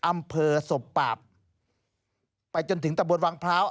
อำเภอศพปาบไปจนถึงตะบนวังพร้าว